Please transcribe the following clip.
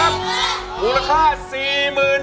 พูดหมื่นสี่หมื่น